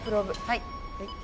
はい。